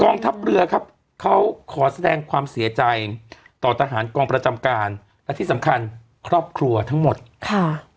ทัพเรือครับเขาขอแสดงความเสียใจต่อทหารกองประจำการและที่สำคัญครอบครัวทั้งหมดค่ะ